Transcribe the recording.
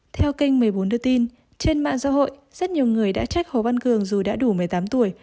theo kênh một mươi bốn đưa tin trên mạng xã hội rất nhiều người đã trách hồ văn cường dù đã đủ một mươi tám tuổi